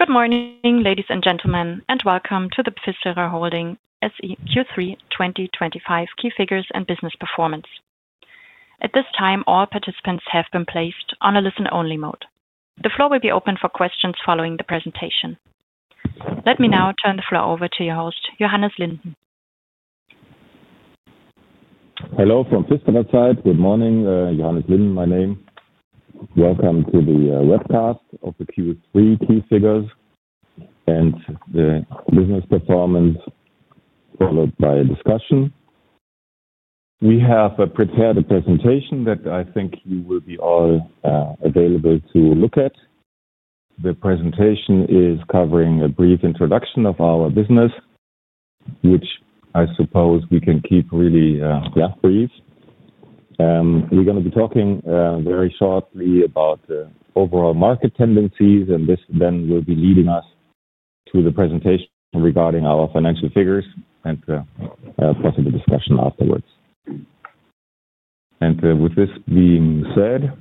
Good morning, ladies and gentlemen, and welcome to the PFISTERER Holding SE Q3 2025 Key Figures and Business Performance. At this time, all participants have been placed on a listen-only mode. The floor will be open for questions following the presentation. Let me now turn the floor over to your host, Johannes Linden. Hello from PFISTERER side. Good morning. Johannes Linden, my name. Welcome to the webcast of the Q3 Key Figures and the Business Performance, followed by a discussion. We have prepared a presentation that I think you will be all available to look at. The presentation is covering a brief introduction of our business, which I suppose we can keep really brief. We're going to be talking very shortly about the overall market tendencies, and this then will be leading us to the presentation regarding our financial figures and possible discussion afterwards. With this being said,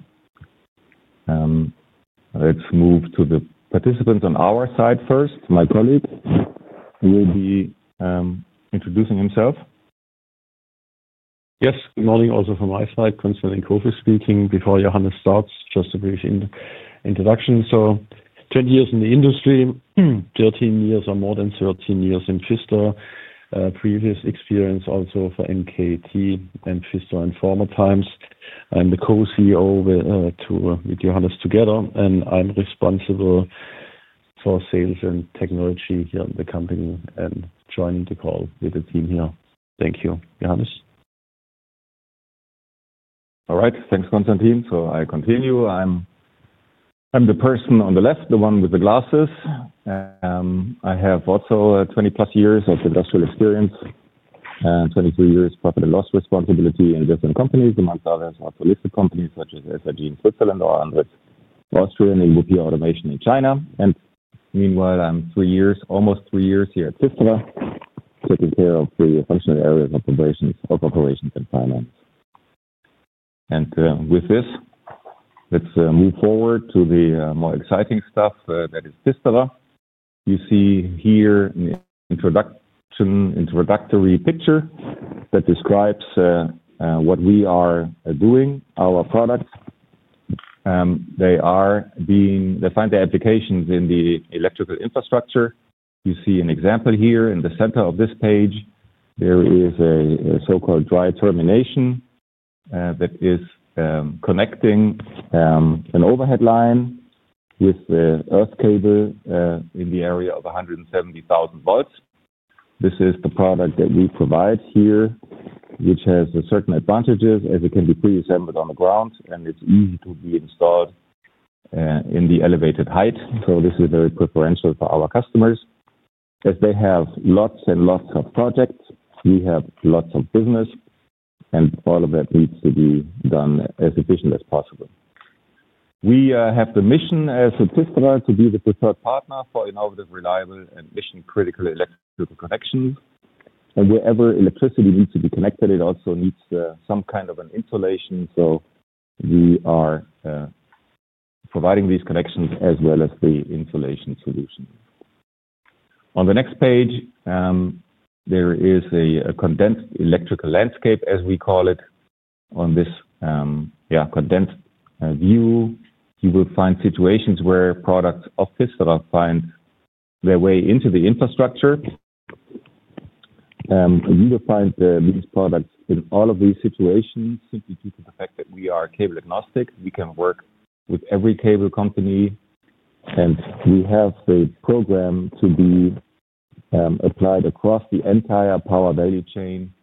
let's move to the participants on our side first. My colleague will be introducing himself. Yes. Good morning also from my side, Konstantin Kurfiss speaking. Before Johannes starts, just a brief introduction. Twenty years in the industry, thirteen years or more than thirteen years in PFISTERER. Previous experience also for MKT and PFISTERER in former times. I'm the co-CEO with Johannes together, and I'm responsible for sales and technology here in the company and joining the call with the team here. Thank you, Johannes. All right. Thanks, Konstantin. I continue. I'm the person on the left, the one with the glasses. I have also 20-plus years of industrial experience and 23 years profit and loss responsibility in different companies, amongst others also listed companies such as SIG in Switzerland or Andritz in Austria, Ningbo PIA Automation in China. Meanwhile, I'm almost three years here at PFISTERER, taking care of the functional areas of operations and finance. With this, let's move forward to the more exciting stuff that is PFISTERER. You see here an introductory picture that describes what we are doing, our products. They find their applications in the electrical infrastructure. You see an example here in the center of this page. There is a so-called Dry Termination that is connecting an overhead line with an earth cable in the area of 170,000 volts. This is the product that we provide here, which has certain advantages as it can be pre-assembled on the ground, and it's easy to be installed in the elevated height. This is very preferential for our customers as they have lots and lots of projects. We have lots of business, and all of that needs to be done as efficiently as possible. We have the mission as PFISTERER to be the preferred partner for innovative, reliable, and mission-critical electrical connections. Wherever electricity needs to be connected, it also needs some kind of an insulation. We are providing these connections as well as the insulation solution. On the next page, there is a condensed electrical landscape, as we call it. On this condensed view, you will find situations where products of PFISTERER find their way into the infrastructure. You will find these products in all of these situations simply due to the fact that we are cable agnostic. We can work with every cable company, and we have the program to be applied across the entire power value chain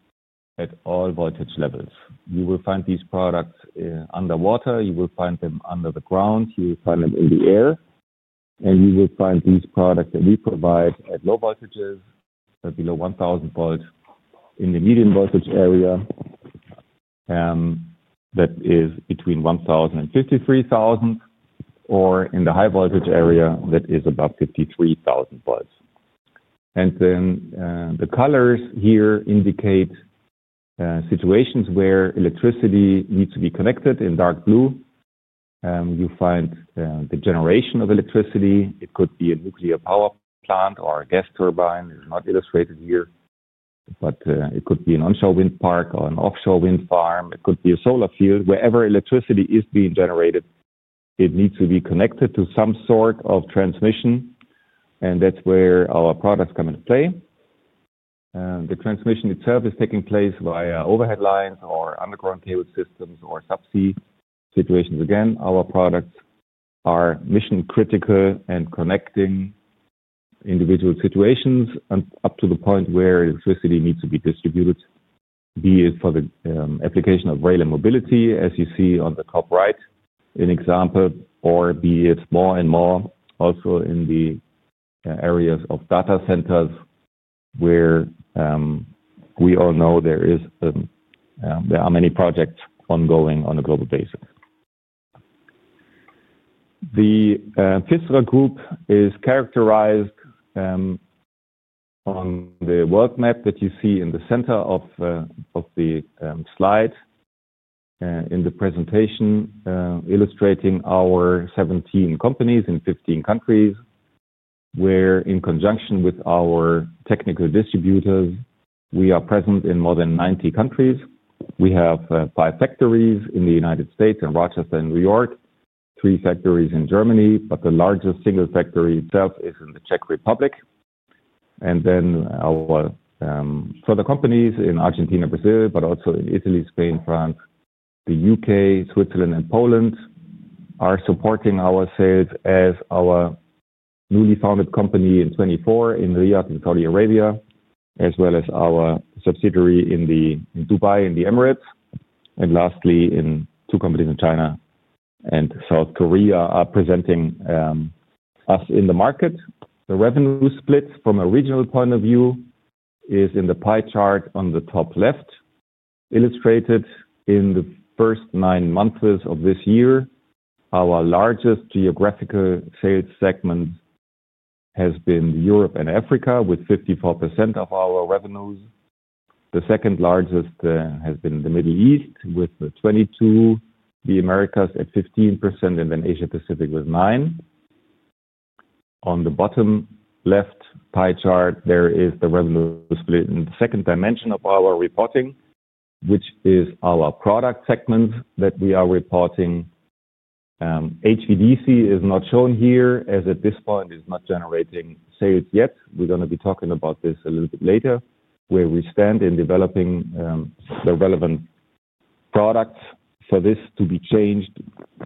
at all voltage levels. You will find these products underwater. You will find them under the ground. You will find them in the air. You will find these products that we provide at low voltages, below 1,000 volts, in the medium voltage area that is between 1,000 and 53,000, or in the high voltage area that is above 53,000 volts. The colors here indicate situations where electricity needs to be connected in dark blue. You find the generation of electricity. It could be a nuclear power plant or a gas turbine. It's not illustrated here, but it could be an onshore wind park or an offshore wind farm. It could be a solar field. Wherever electricity is being generated, it needs to be connected to some sort of transmission, and that's where our products come into play. The transmission itself is taking place via overhead lines or underground cable systems or subsea situations. Again, our products are mission-critical and connecting individual situations up to the point where electricity needs to be distributed, be it for the application of rail and mobility, as you see on the top right in example, or be it more and more also in the areas of data centers where we all know there are many projects ongoing on a global basis. The PFISTERER Group is characterized on the world map that you see in the center of the slide in the presentation illustrating our 17 companies in 15 countries where, in conjunction with our technical distributors, we are present in more than 90 countries. We have five factories in the United States and Rochester in New York, three factories in Germany, but the largest single factory itself is in the Czech Republic. For the companies in Argentina, Brazil, but also in Italy, Spain, France, the U.K., Switzerland, and Poland are supporting our sales as our newly founded company in 2024 in Riyadh in Saudi Arabia, as well as our subsidiary in Dubai in the Emirates. Lastly, two companies in China and South Korea are presenting us in the market. The revenue split from a regional point of view is in the pie chart on the top left, illustrated in the first nine months of this year. Our largest geographical sales segment has been Europe and Africa, with 54% of our revenues. The second largest has been the Middle East, with 22%, the Americas at 15%, and then Asia-Pacific with 9%. On the bottom left pie chart, there is the revenue split in the second dimension of our reporting, which is our product segments that we are reporting. HVDC is not shown here as at this point is not generating sales yet. We're going to be talking about this a little bit later, where we stand in developing the relevant products for this to be changed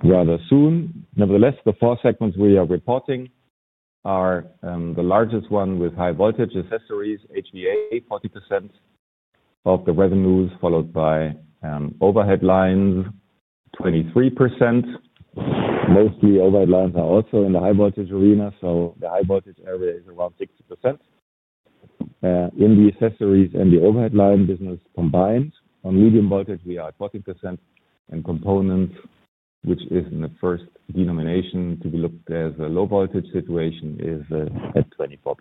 rather soon. Nevertheless, the four segments we are reporting are the largest one with high voltage accessories, HVA, 40% of the revenues, followed by overhead lines, 23%. Mostly overhead lines are also in the high voltage arena. The high voltage area is around 60%. In the accessories and the overhead line business combined, on medium voltage, we are at 40%, and components, which is in the first denomination to be looked as a low voltage situation, is at 24%.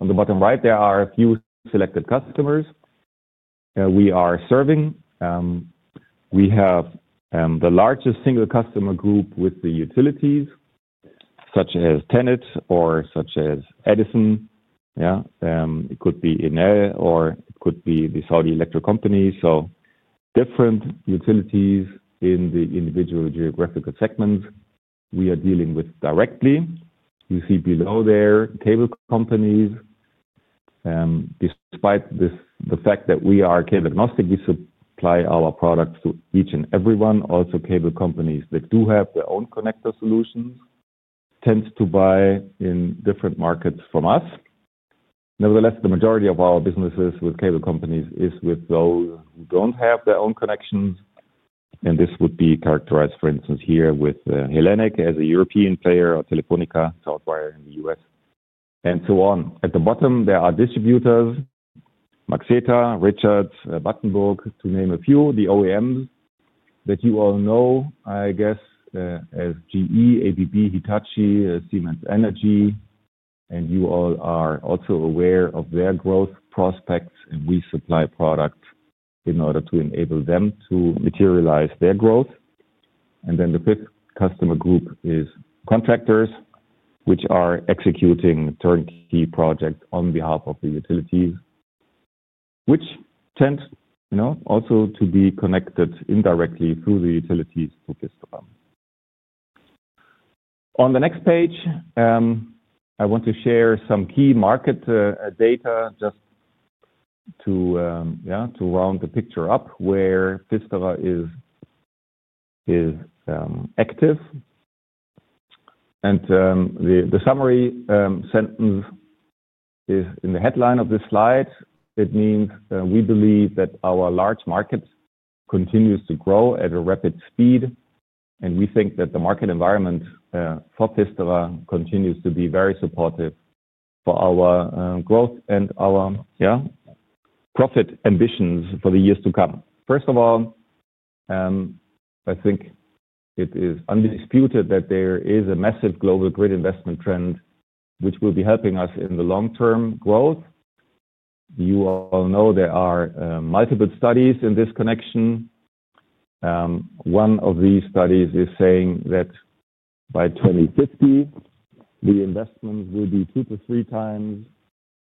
On the bottom right, there are a few selected customers we are serving. We have the largest single customer group with the utilities, such as TenneT or such as Edison. It could be INEL, or it could be the Saudi Electricity Company. Different utilities in the individual geographical segments we are dealing with directly. You see below there cable companies. Despite the fact that we are cable agnostic, we supply our products to each and everyone. Also, cable companies that do have their own connector solutions tend to buy in different markets from us. Nevertheless, the majority of our business with cable companies is with those who do not have their own connections. This would be characterized, for instance, here with Hellenic as a European player, Telefónica, Southwire in the U.S., and so on. At the bottom, there are distributors: Maxeta, Richards, Battenberg, to name a few, the OEMs that you all know, I guess, as GE, ABB, Hitachi, Siemens Energy. You all are also aware of their growth prospects, and we supply products in order to enable them to materialize their growth. The fifth customer group is contractors, which are executing turnkey projects on behalf of the utilities, which tend also to be connected indirectly through the utilities to PFISTERER. On the next page, I want to share some key market data just to round the picture up where PFISTERER is active. The summary sentence is in the headline of this slide. It means we believe that our large market continues to grow at a rapid speed, and we think that the market environment for PFISTERER continues to be very supportive for our growth and our profit ambitions for the years to come. First of all, I think it is undisputed that there is a massive global grid investment trend, which will be helping us in the long-term growth. You all know there are multiple studies in this connection. One of these studies is saying that by 2050, the investment will be two to three times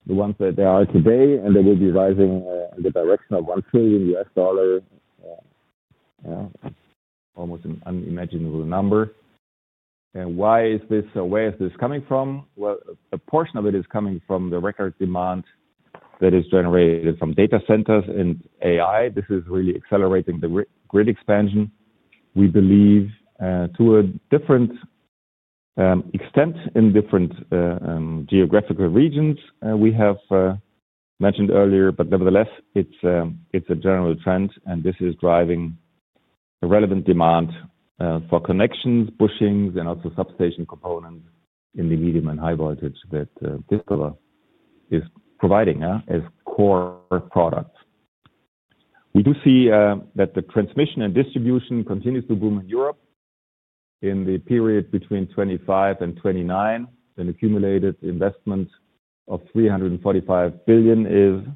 the ones that they are today, and they will be rising in the direction of $1 trillion, almost an unimaginable number. Why is this? Where is this coming from? A portion of it is coming from the record demand that is generated from data centers and AI. This is really accelerating the grid expansion. We believe to a different extent in different geographical regions. We have mentioned earlier, but nevertheless, it is a general trend, and this is driving the relevant demand for connections, bushings, and also substation components in the medium and high voltage that PFISTERER is providing as core products. We do see that the transmission and distribution continues to boom in Europe. In the period between 2025 and 2029, an accumulated investment of 345 billion is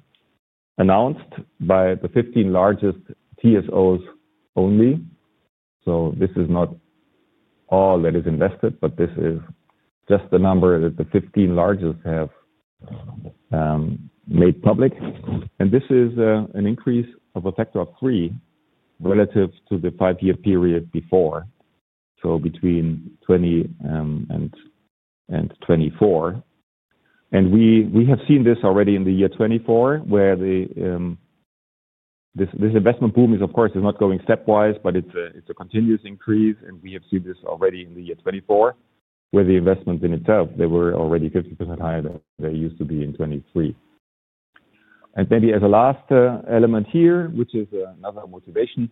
announced by the 15 largest TSOs only. This is not all that is invested, but this is just the number that the 15 largest have made public. This is an increase of a factor of three relative to the five-year period before, so between 2020 and 2024. We have seen this already in the year 2024, where this investment boom is, of course, not going stepwise, but it is a continuous increase. We have seen this already in the year 2024, where the investment in itself, they were already 50% higher than they used to be in 2023. Maybe as a last element here, which is another motivation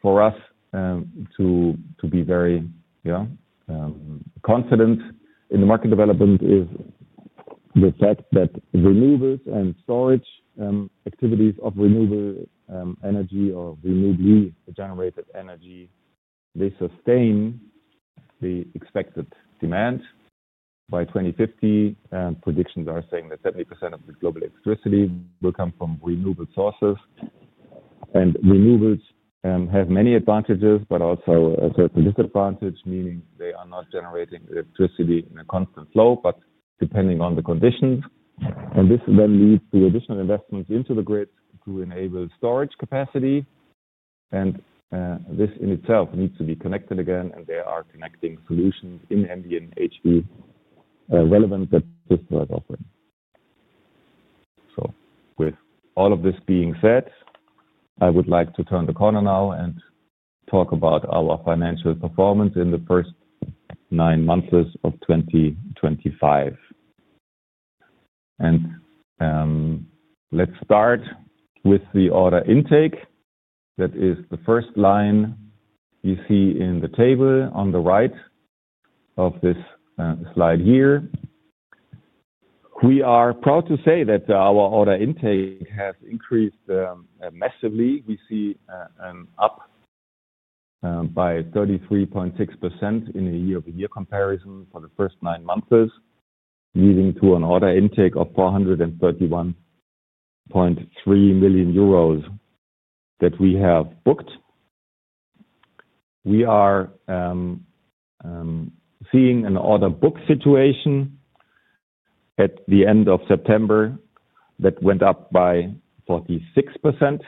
for us to be very confident in the market development, is the fact that renewables and storage activities of renewable energy or renewably generated energy, they sustain the expected demand by 2050. Predictions are saying that 70% of the global electricity will come from renewable sources. Renewables have many advantages, but also a certain disadvantage, meaning they are not generating electricity in a constant flow, but depending on the conditions. This then leads to additional investments into the grid to enable storage capacity. This in itself needs to be connected again, and there are connecting solutions in ambient HV relevant that PFISTERER is offering. With all of this being said, I would like to turn the corner now and talk about our financial performance in the first nine months of 2025. Let's start with the order intake. That is the first line you see in the table on the right of this slide here. We are proud to say that our order intake has increased massively. We see an up by 33.6% in a year-over-year comparison for the first nine months, leading to an order intake of 431.3 million euros that we have booked. We are seeing an order book situation at the end of September that went up by 46%.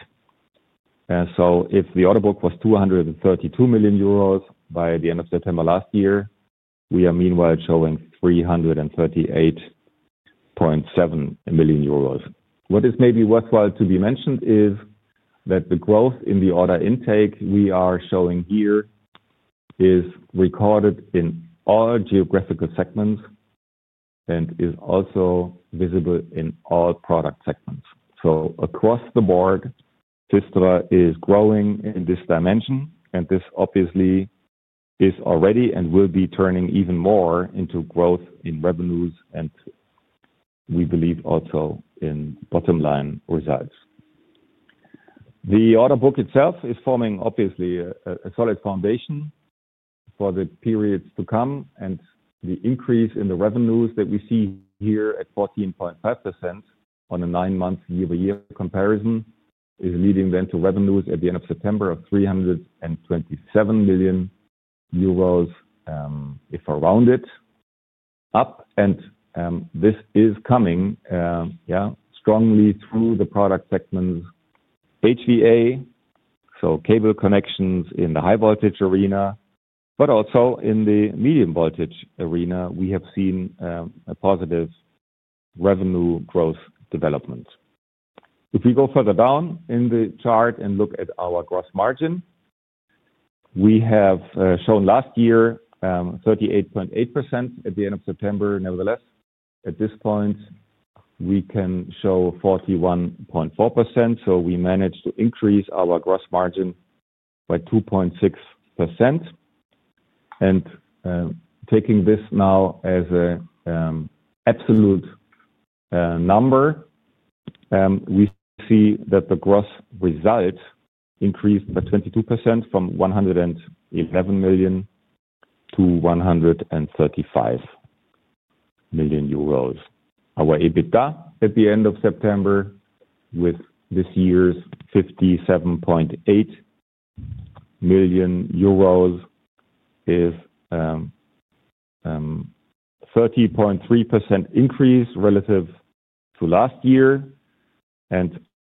If the order book was 232 million euros by the end of September last year, we are meanwhile showing 338.7 million euros. What is maybe worthwhile to be mentioned is that the growth in the order intake we are showing here is recorded in all geographical segments and is also visible in all product segments. Across the board, PFISTERER is growing in this dimension, and this obviously is already and will be turning even more into growth in revenues, and we believe also in bottom-line results. The order book itself is forming, obviously, a solid foundation for the periods to come, and the increase in the revenues that we see here at 14.5% on a nine-month year-over-year comparison is leading then to revenues at the end of September of 327 million euros, if around it, up. This is coming strongly through the product segments HVA, so cable connections in the high-voltage arena, but also in the medium-voltage arena. We have seen a positive revenue growth development. If we go further down in the chart and look at our gross margin, we have shown last year 38.8% at the end of September. Nevertheless, at this point, we can show 41.4%. We managed to increase our gross margin by 2.6%. Taking this now as an absolute number, we see that the gross result increased by 22% from 111 million-135 million euros. Our EBITDA at the end of September, with this year's 57.8 million euros, is a 30.3% increase relative to last year.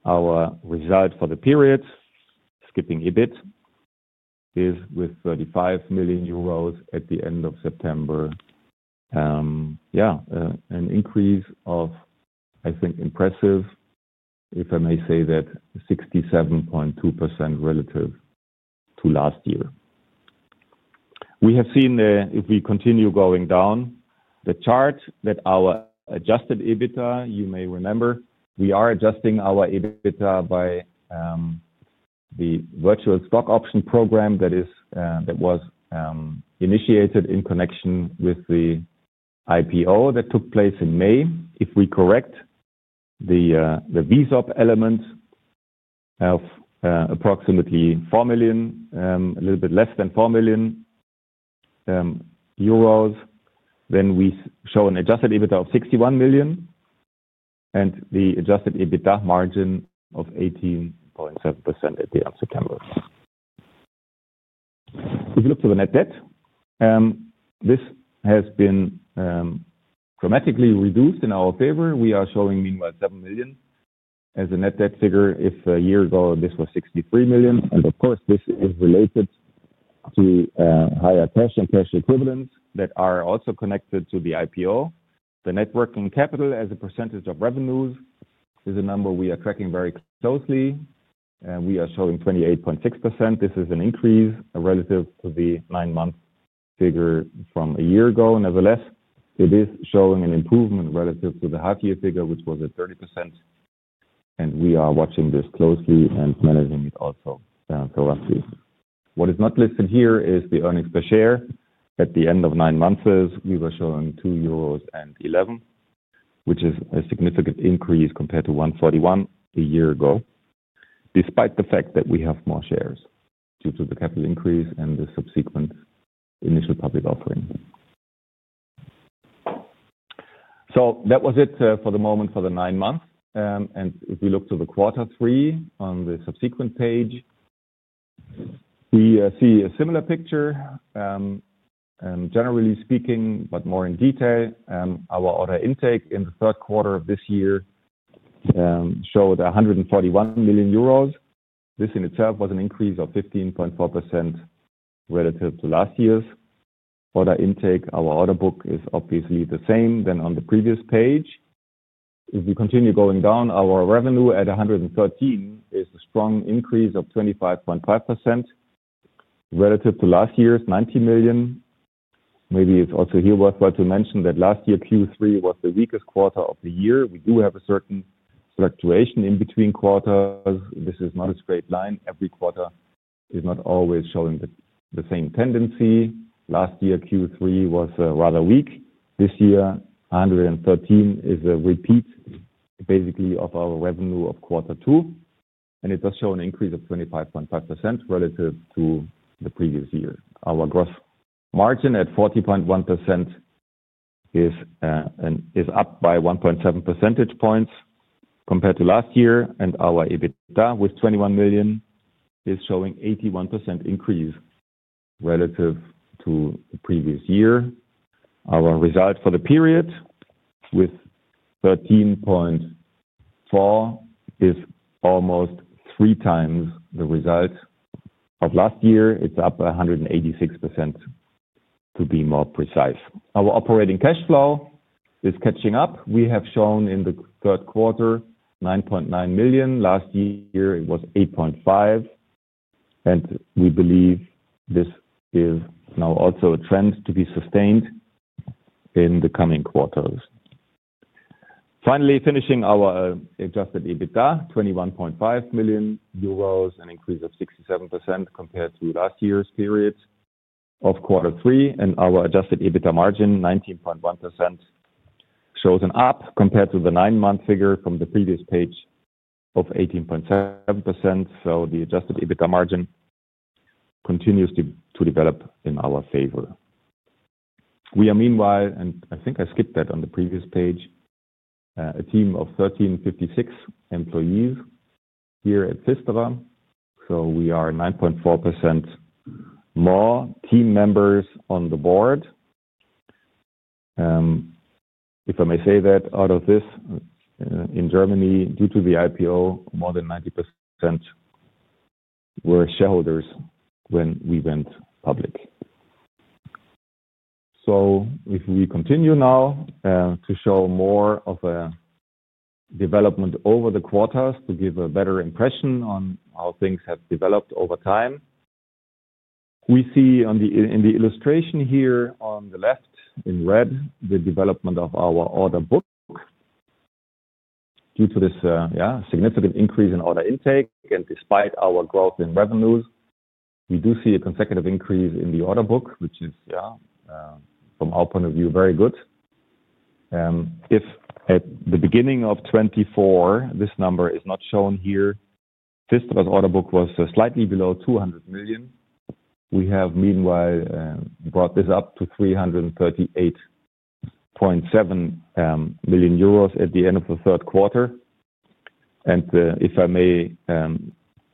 Our result for the period, skipping EBIT, is with 35 million euros at the end of September. Yeah, an increase of, I think, impressive, if I may say that, 67.2% relative to last year. We have seen, if we continue going down the chart, that our adjusted EBITDA, you may remember, we are adjusting our EBITDA by the virtual stock option program that was initiated in connection with the IPO that took place in May. If we correct the VSOP element of approximately 4 million, a little bit less than 4 million euros, then we show an adjusted EBITDA of 61 million and the adjusted EBITDA margin of 18.7% at the end of September. If you look to the net debt, this has been dramatically reduced in our favor. We are showing, meanwhile, 7 million as a net debt figure. If a year ago, this was 63 million. Of course, this is related to higher cash and cash equivalents that are also connected to the IPO. The networking capital as a percentage of revenues is a number we are tracking very closely. We are showing 28.6%. This is an increase relative to the nine-month figure from a year ago. Nevertheless, it is showing an improvement relative to the half-year figure, which was at 30%. We are watching this closely and managing it also for us. What is not listed here is the earnings per share. At the end of nine months, we were showing 2.11 euros, which is a significant increase compared to 1.41 a year ago, despite the fact that we have more shares due to the capital increase and the subsequent initial public offering. That was it for the moment for the nine months. If we look to the quarter three on the subsequent page, we see a similar picture. Generally speaking, but more in detail, our order intake in the third quarter of this year showed 141 million euros. This in itself was an increase of 15.4% relative to last year's order intake. Our order book is obviously the same as on the previous page. If we continue going down, our revenue at 113 million is a strong increase of 25.5% relative to last year's 90 million. Maybe it's also here worthwhile to mention that last year Q3 was the weakest quarter of the year. We do have a certain fluctuation in between quarters. This is not a straight line. Every quarter is not always showing the same tendency. Last year Q3 was rather weak. This year, 113 million is a repeat, basically, of our revenue of quarter two. It does show an increase of 25.5% relative to the previous year. Our gross margin at 40.1% is up by 1.7 percentage points compared to last year. Our EBITDA with 21 million is showing an 81% increase relative to the previous year. Our result for the period with 13.4 million is almost three times the result of last year. It's up 186% to be more precise. Our operating cash flow is catching up. We have shown in the third quarter 9.9 million. Last year, it was 8.5 million. We believe this is now also a trend to be sustained in the coming quarters. Finally, finishing our adjusted EBITDA, 21.5 million euros, an increase of 67% compared to last year's period of quarter three. Our adjusted EBITDA margin, 19.1%, shows an up compared to the nine-month figure from the previous page of 18.7%. The adjusted EBITDA margin continues to develop in our favor. We are meanwhile, and I think I skipped that on the previous page, a team of 1,356 employees here at PFISTERER. We are 9.4% more team members on the board. If I may say that out of this, in Germany, due to the IPO, more than 90% were shareholders when we went public. If we continue now to show more of a development over the quarters to give a better impression on how things have developed over time, we see in the illustration here on the left in red the development of our order book. Due to this significant increase in order intake and despite our growth in revenues, we do see a consecutive increase in the order book, which is, from our point of view, very good. If at the beginning of 2024, this number is not shown here, PFISTERER's order book was slightly below 200 million. We have meanwhile brought this up to 338.7 million euros at the end of the third quarter. If I may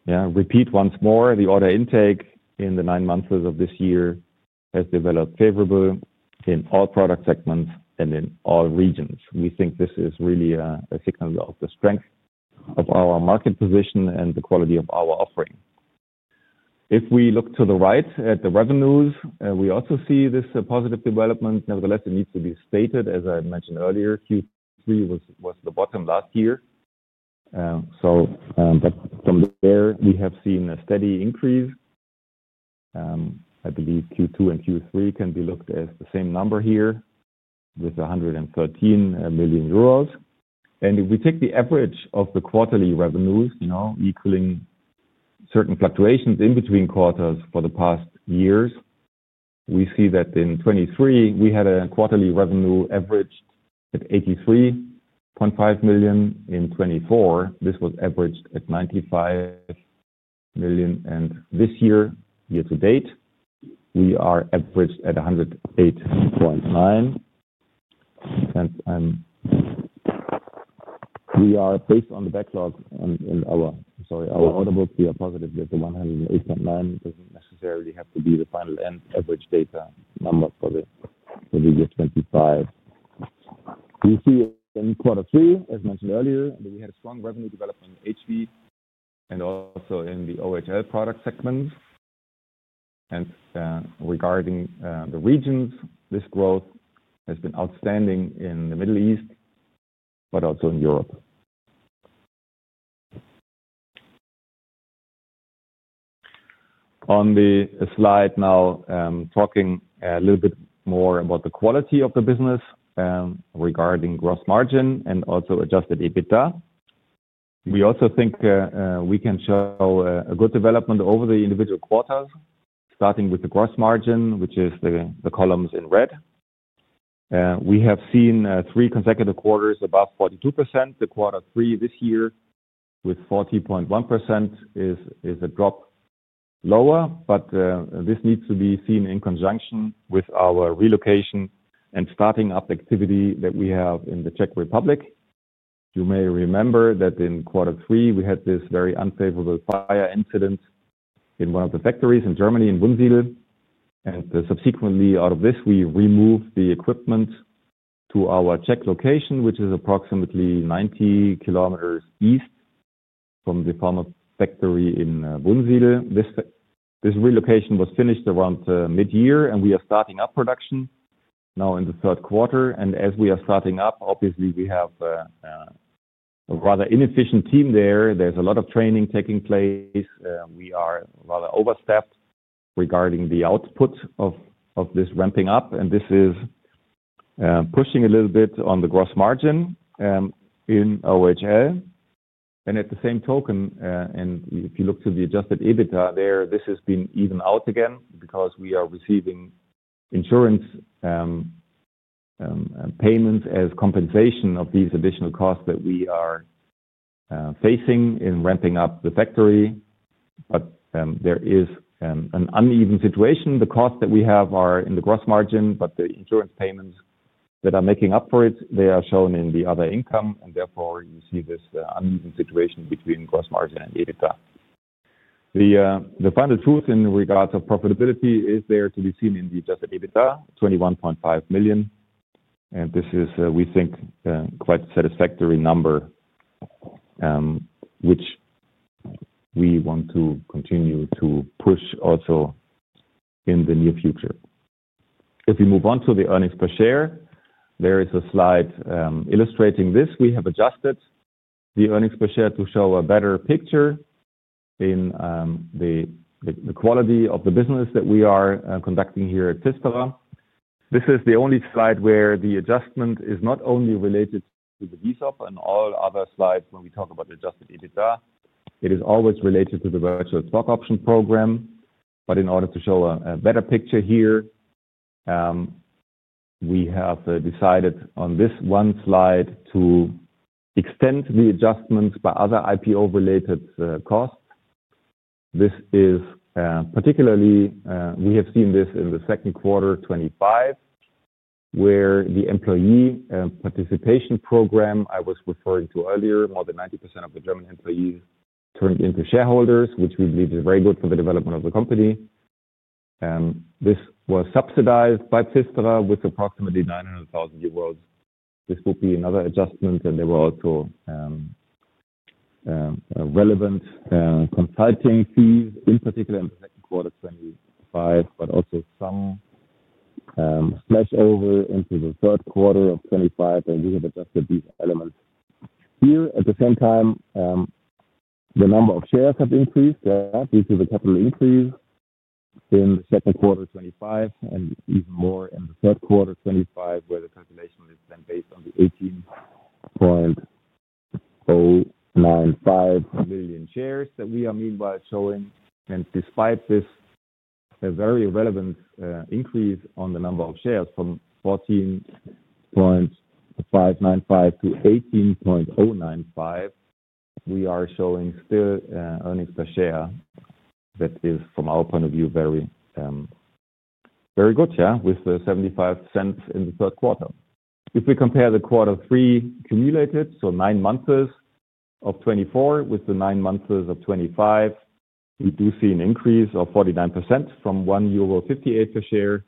repeat once more, the order intake in the nine months of this year has developed favorably in all product segments and in all regions. We think this is really a signal of the strength of our market position and the quality of our offering. If we look to the right at the revenues, we also see this positive development. Nevertheless, it needs to be stated, as I mentioned earlier, Q3 was the bottom last year. From there, we have seen a steady increase. I believe Q2 and Q3 can be looked at as the same number here with 113 million euros. If we take the average of the quarterly revenues, equaling certain fluctuations in between quarters for the past years, we see that in 2023, we had a quarterly revenue averaged at 83.5 million. In 2024, this was averaged at 95 million. This year, year-to-date, we are averaged at 108.9 million. We are, based on the backlog in our order book, positive that the 108.9 million does not necessarily have to be the final average data number for the year 2025. We see in quarter three, as mentioned earlier, we had a strong revenue development in HV and also in the OHL product segments. Regarding the regions, this growth has been outstanding in the Middle East, but also in Europe. On the slide now, talking a little bit more about the quality of the business regarding gross margin and also adjusted EBITDA, we also think we can show a good development over the individual quarters, starting with the gross margin, which is the columns in red. We have seen three consecutive quarters above 42%. The quarter three this year with 40.1% is a drop lower, but this needs to be seen in conjunction with our relocation and starting up activity that we have in the Czech Republic. You may remember that in quarter three, we had this very unfavorable fire incident in one of the factories in Germany, in Wunsiedel. Subsequently, out of this, we removed the equipment to our Czech location, which is approximately 90 km east from the former factory in Wunsiedel. This relocation was finished around mid-year, and we are starting up production now in the third quarter. As we are starting up, obviously, we have a rather inefficient team there. There's a lot of training taking place. We are rather overstaffed regarding the output of this ramping up. This is pushing a little bit on the gross margin in OHL. At the same token, if you look to the adjusted EBITDA there, this has been evened out again because we are receiving insurance payments as compensation of these additional costs that we are facing in ramping up the factory. There is an uneven situation. The costs that we have are in the gross margin, but the insurance payments that are making up for it, they are shown in the other income. Therefore, you see this uneven situation between gross margin and EBITDA. The final truth in regards of profitability is there to be seen in the adjusted EBITDA, 21.5 million. This is, we think, quite a satisfactory number, which we want to continue to push also in the near future. If we move on to the earnings per share, there is a slide illustrating this. We have adjusted the earnings per share to show a better picture in the quality of the business that we are conducting here at PFISTERER. This is the only slide where the adjustment is not only related to the VSOP and all other slides when we talk about adjusted EBITDA. It is always related to the virtual stock option program. In order to show a better picture here, we have decided on this one slide to extend the adjustments by other IPO-related costs. This is particularly, we have seen this in the second quarter 2025, where the employee participation program I was referring to earlier, more than 90% of the German employees turned into shareholders, which we believe is very good for the development of the company. This was subsidized by PFISTERER with approximately 900,000 euros. This will be another adjustment. There were also relevant consulting fees, in particular in the second quarter 2025, but also some flashover into the third quarter of 2025. We have adjusted these elements here. At the same time, the number of shares have increased due to the capital increase in the second quarter 2025 and even more in the third quarter 2025, where the calculation is then based on the 18.095 million shares that we are meanwhile showing. Despite this, a very relevant increase on the number of shares from 14.595 million to 18.095 million, we are showing still earnings per share that is, from our point of view, very good with 0.75 in the third quarter. If we compare the quarter three cumulated, so nine months of 2024 with the nine months of 2025, we do see an increase of 49% from 1.58 euro per share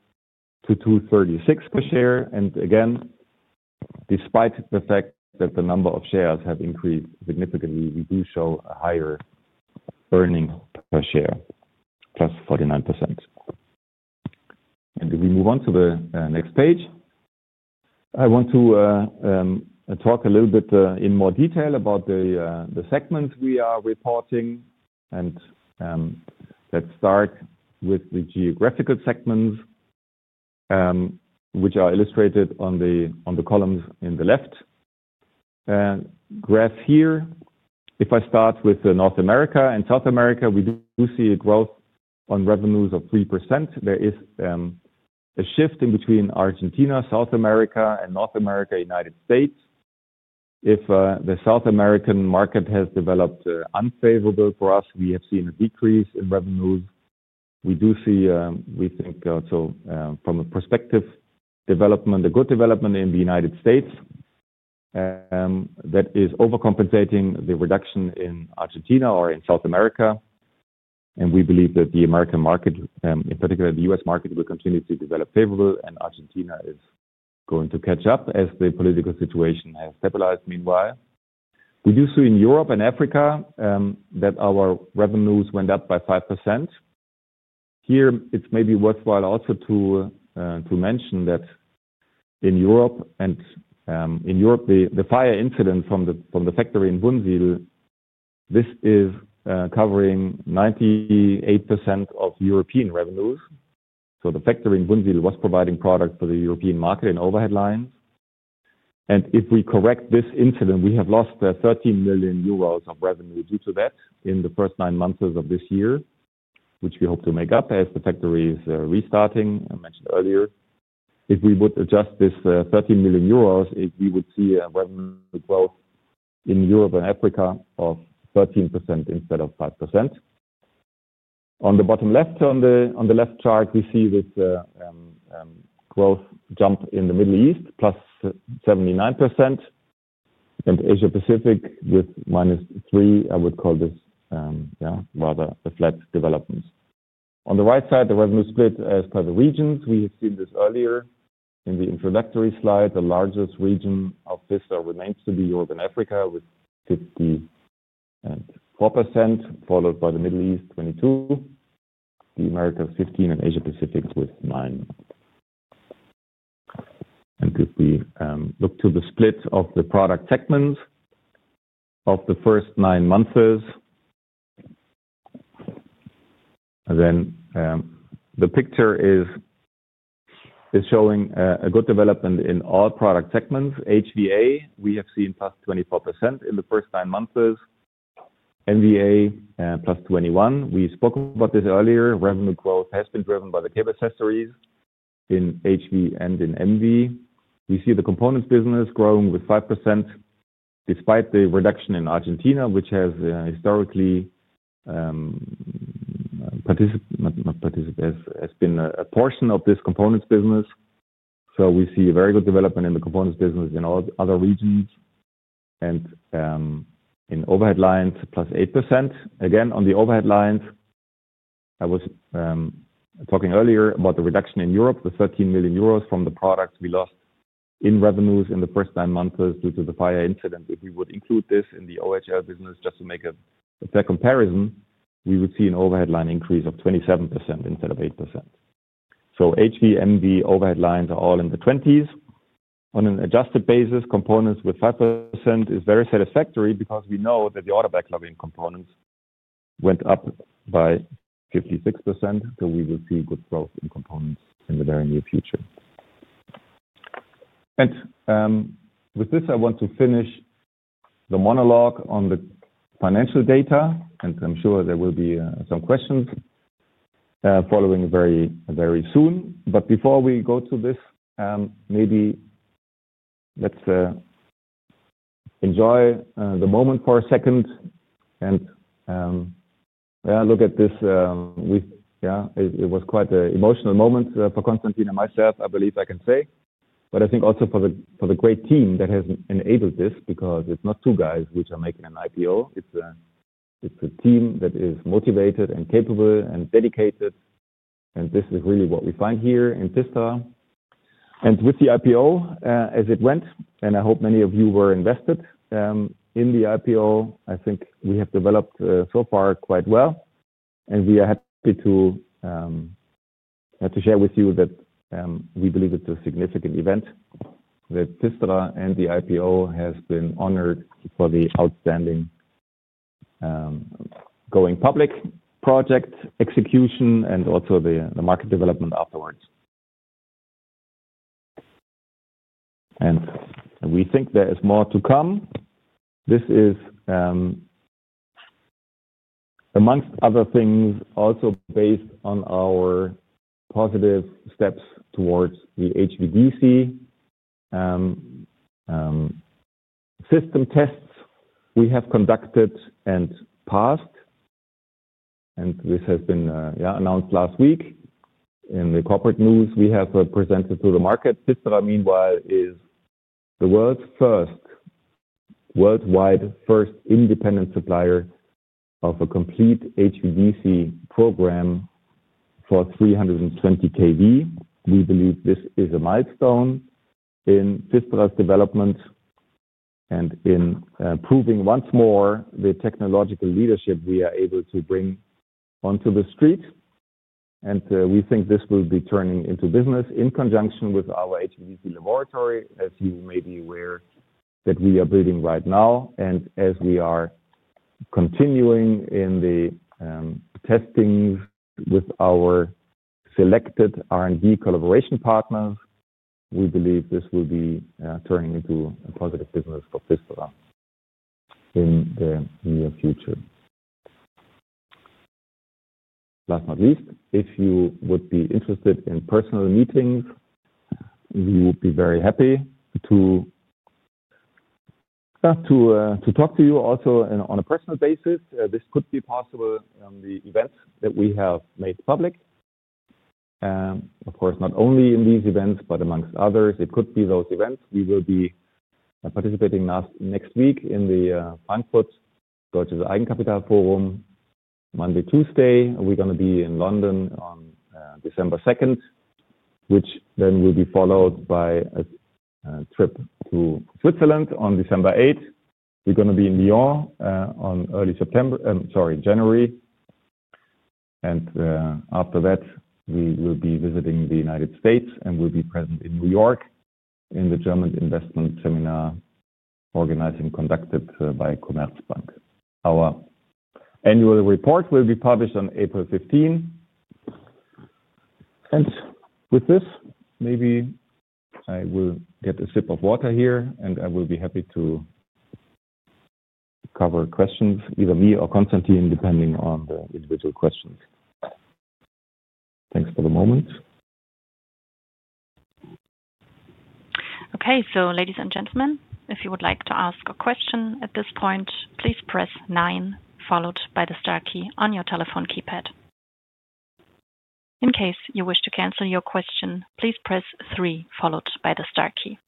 to 2.36 per share. Again, despite the fact that the number of shares have increased significantly, we do show a higher earning per share, plus 49%. If we move on to the next page, I want to talk a little bit in more detail about the segments we are reporting. Let's start with the geographical segments, which are illustrated on the columns in the left graph here. If I start with North America and South America, we do see a growth on revenues of 3%. There is a shift in between Argentina, South America, and North America, United States. If the South American market has developed unfavorably for us, we have seen a decrease in revenues. We do see, we think, also from a prospective development, a good development in the United States that is overcompensating the reduction in Argentina or in South America. We believe that the American market, in particular the U.S. market, will continue to develop favorably. Argentina is going to catch up as the political situation has stabilized meanwhile. We do see in Europe and Africa that our revenues went up by 5%. Here, it's maybe worthwhile also to mention that in Europe, the fire incident from the factory in Wunsiedel, this is covering 98% of European revenues. The factory in Wunsiedel was providing product for the European market in overhead lines. If we correct this incident, we have lost 13 million euros of revenue due to that in the first nine months of this year, which we hope to make up as the factory is restarting, I mentioned earlier. If we would adjust this 13 million euros, we would see a revenue growth in Europe and Africa of 13% instead of 5%. On the bottom left, on the left chart, we see this growth jump in the Middle East, plus 79%. Asia-Pacific with minus 3%, I would call this rather a flat development. On the right side, the revenue split as per the regions. We have seen this earlier in the introductory slide. The largest region of PFISTERER remains to be Europe and Africa with 54%, followed by the Middle East, 22%, the Americas, 15%, and Asia-Pacific with 9%. If we look to the split of the product segments of the first nine months, then the picture is showing a good development in all product segments. HVA, we have seen plus 24% in the first nine months. MVA, plus 21%. We spoke about this earlier. Revenue growth has been driven by the cable accessories in HV and in MV. We see the components business growing with 5% despite the reduction in Argentina, which has historically not participated, has been a portion of this components business. We see a very good development in the components business in all other regions. In overhead lines, plus 8%. Earlier, I was talking about the reduction in Europe, the 13 million euros from the products we lost in revenues in the first nine months due to the fire incident. If we would include this in the OHL business, just to make a fair comparison, we would see an overhead line increase of 27% instead of 8%. HV, MV, overhead lines are all in the 20s. On an adjusted basis, components with 5% is very satisfactory because we know that the order backlog in components went up by 56%. We will see good growth in components in the very near future. With this, I want to finish the monologue on the financial data. I'm sure there will be some questions following very soon. Before we go to this, maybe let's enjoy the moment for a second and look at this. It was quite an emotional moment for Konstantin and myself, I believe I can say. I think also for the great team that has enabled this because it's not two guys which are making an IPO. It's a team that is motivated and capable and dedicated. This is really what we find here in PFISTERER. With the IPO, as it went, and I hope many of you were invested in the IPO, I think we have developed so far quite well. We are happy to share with you that we believe it's a significant event that PFISTERER and the IPO has been honored for the outstanding going public project execution and also the market development afterwards. We think there is more to come. This is, amongst other things, also based on our positive steps towards the HVDC system tests we have conducted and passed. This has been announced last week in the corporate news. We have presented to the market. PFISTERER, meanwhile, is the world's first, worldwide first independent supplier of a complete HVDC program for 320 kV. We believe this is a milestone in PFISTERER's development and in proving once more the technological leadership we are able to bring onto the street. We think this will be turning into business in conjunction with our HVDC laboratory, as you may be aware, that we are building right now. As we are continuing in the testings with our selected R&D collaboration partners, we believe this will be turning into a positive business for PFISTERER in the near future. Last but not least, if you would be interested in personal meetings, we would be very happy to talk to you also on a personal basis. This could be possible on the events that we have made public. Of course, not only in these events, but amongst others, it could be those events. We will be participating next week in the Frankfurt Deutsches Eigenkapitalforum, Monday, Tuesday. We are going to be in London on December 2nd, which then will be followed by a trip to Switzerland on December 8. We're going to be in Lyon on early January. After that, we will be visiting the United States and will be present in New York in the German investment seminar organized and conducted by Commerzbank. Our annual report will be published on April 15. With this, maybe I will get a sip of water here, and I will be happy to cover questions, either me or Konstantin, depending on the individual questions. Thanks for the moment. Okay. Ladies and gentlemen, if you would like to ask a question at this point, please press nine, followed by the star key on your telephone keypad. In case you wish to cancel your question, please press three, followed by the star key.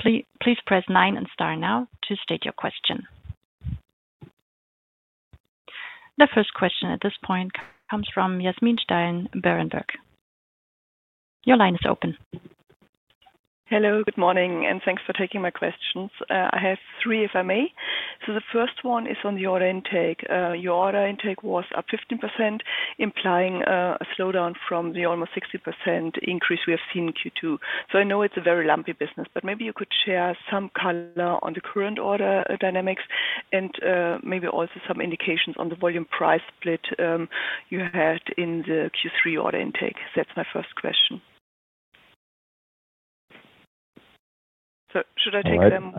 Please press nine and star now to state your question. The first question at this point comes from Yasmin Steilenn Berenberg. Your line is open. Hello, good morning, and thanks for taking my questions. I have three, if I may. The first one is on the order intake. Your order intake was up 15%, implying a slowdown from the almost 60% increase we have seen in Q2. I know it's a very lumpy business, but maybe you could share some color on the current order dynamics and maybe also some indications on the volume price split you had in the Q3 order intake. That's my first question. Should I take them?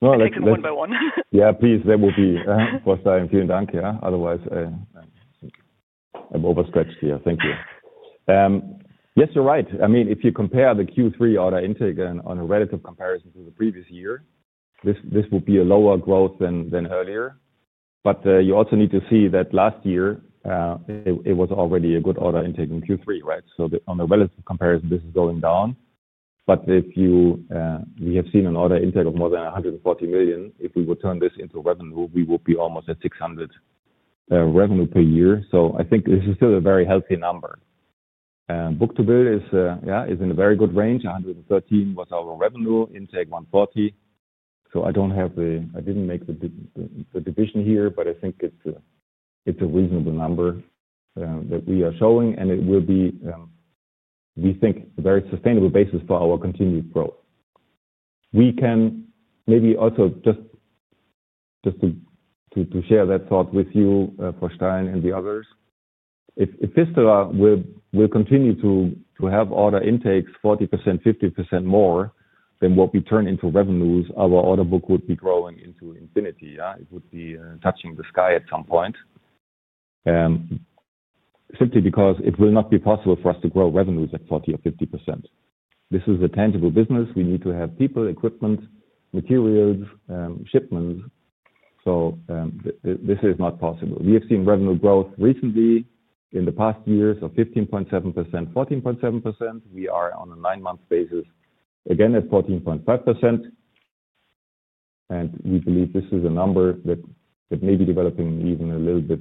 No, let's do it one by one. Yeah, please. That will be first time. Vielen Dank. Otherwise, I've overscratched here. Thank you. Yes, you're right. I mean, if you compare the Q3 order intake on a relative comparison to the previous year, this would be a lower growth than earlier. You also need to see that last year, it was already a good order intake in Q3, right? On a relative comparison, this is going down. If you have seen an order intake of more than 140 million, if we would turn this into revenue, we would be almost at 600 million revenue per year. I think this is still a very healthy number. Book-to-Bill is in a very good range. 113 million was our revenue, intake 140 million. I do not have the I did not make the division here, but I think it's a reasonable number that we are showing. It will be, we think, a very sustainable basis for our continued growth. We can maybe also just to share that thought with you, Frau Stein, and the others. If PFISTERER will continue to have order intakes 40%-50% more than what we turn into revenues, our order book would be growing into infinity. It would be touching the sky at some point simply because it will not be possible for us to grow revenues at 40% or 50%. This is a tangible business. We need to have people, equipment, materials, shipments. This is not possible. We have seen revenue growth recently in the past years of 15.7%, 14.7%. We are on a nine-month basis, again, at 14.5%. We believe this is a number that may be developing even a little bit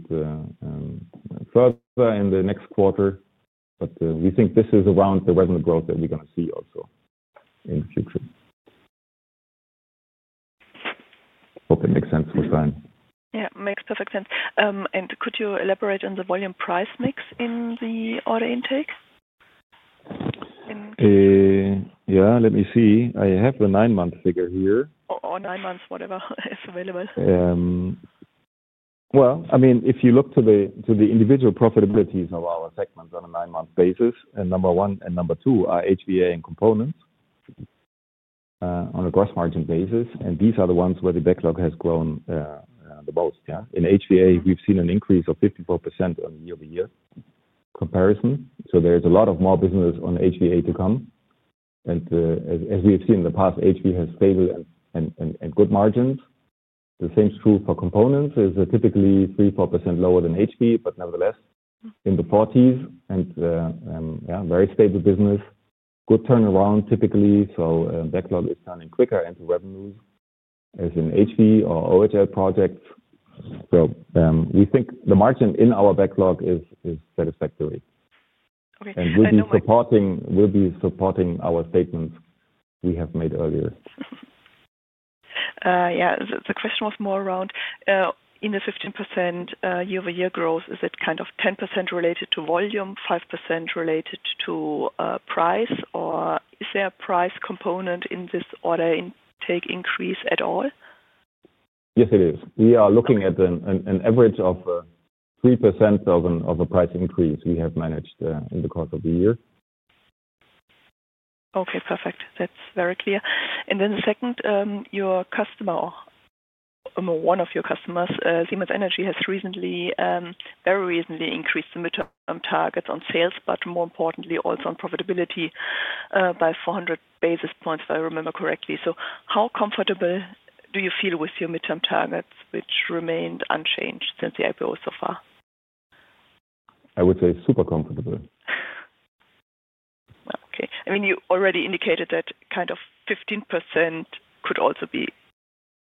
further in the next quarter. We think this is around the revenue growth that we're going to see also in the future. Hope it makes sense, Frau Stein. Yeah, makes perfect sense. Could you elaborate on the volume price mix in the order intake? Yeah, let me see. I have the nine-month figure here. Or nine months, whatever is available. If you look to the individual profitabilities of our segments on a nine-month basis, number one and number two are HVA and components on a gross margin basis. These are the ones where the backlog has grown the most. In HVA, we've seen an increase of 54% on year-over-year comparison. There is a lot of more business on HVA to come. As we have seen in the past, HV has stable and good margins. The same is true for components. It's typically 3-4% lower than HV, but nevertheless in the 40s and very stable business, good turnaround typically. Backlog is turning quicker into revenues as in HV or OHL projects. We think the margin in our backlog is satisfactory and will be supporting our statements we have made earlier. Yeah. The question was more around in the 15% year-over-year growth, is it kind of 10% related to volume, 5% related to price, or is there a price component in this order intake increase at all? Yes, it is. We are looking at an average of 3% of a price increase we have managed in the course of the year. Okay, perfect. That's very clear. Then second, your customer, one of your customers, Siemens Energy, has recently, very recently, increased the midterm targets on sales, but more importantly, also on profitability by 400 basis points, if I remember correctly. How comfortable do you feel with your midterm targets, which remained unchanged since the IPO so far? I would say super comfortable. Okay. I mean, you already indicated that kind of 15% could also be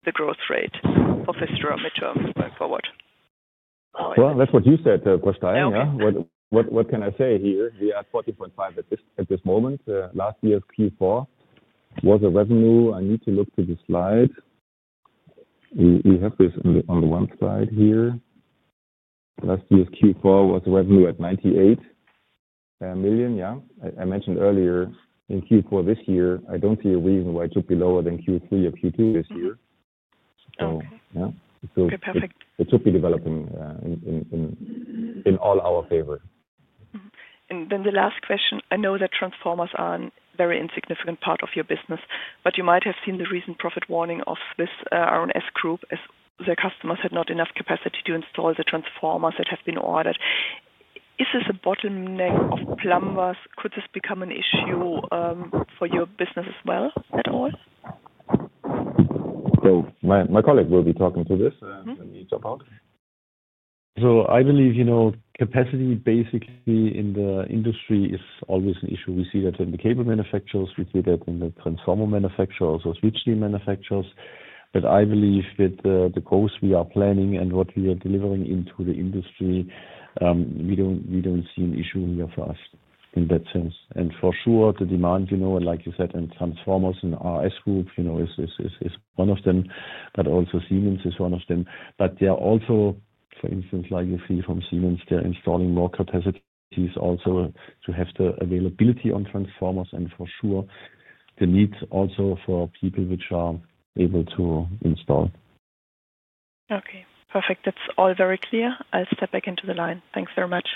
the growth rate for PFISTERER midterm going forward. That is what you said, Frau Stein. What can I say here? We are at 40.5 at this moment. Last year's Q4 was a revenue I need to look to the slide. We have this on the one slide here. Last year's Q4 was a revenue at 98 million. I mentioned earlier in Q4 this year, I do not see a reason why it should be lower than Q3 or Q2 this year. It should be developing in all our favor. The last question. I know that transformers are a very insignificant part of your business, but you might have seen the recent profit warning of Swiss R&S Group as their customers had not enough capacity to install the transformers that have been ordered. Is this a bottleneck of plumbers? Could this become an issue for your business as well at all? My colleague will be talking to this. Let me jump out. I believe capacity basically in the industry is always an issue. We see that in the cable manufacturers. We see that in the transformer manufacturers or switchgear manufacturers. I believe that the growth we are planning and what we are delivering into the industry, we do not see an issue here for us in that sense. For sure, the demand, like you said, and transformers and Swiss R&S Group is one of them, but also Siemens is one of them. There are also, for instance, like you see from Siemens, they are installing more capacities also to have the availability on transformers and for sure the needs also for people which are able to install. Okay. PerOfect. That's all very clear. I'll step back into the line. Thanks very much.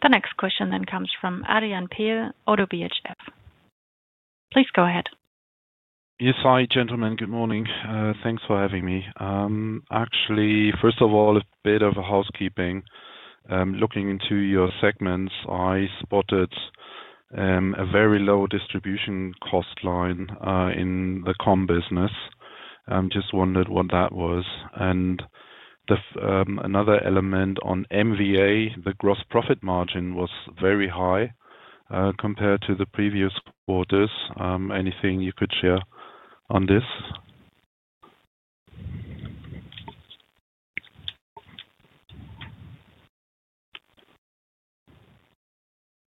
The next question then comes from Adrian Pehl, ODDO BHF. Please go ahead. Yes, hi gentlemen. Good morning. Thanks for having me. Actually, first of all, a bit of housekeeping. Looking into your segments, I spotted a very low distribution cost line in the com business. I just wondered what that was. Another element on MVA, the gross profit margin was very high compared to the previous quarters. Anything you could share on this?